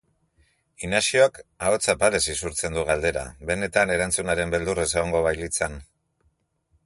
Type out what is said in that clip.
Inaxiok ahots apalez isurtzen du galdera, benetan erantzunaren beldurrez egongo bailitzan.